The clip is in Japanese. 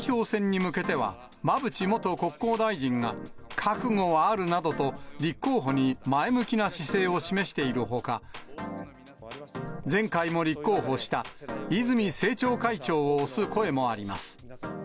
代表選に向けては、馬淵元国交大臣が覚悟はあるなどと、立候補に前向きな姿勢を示しているほか、前回も立候補した泉政調会長を推す声もあります。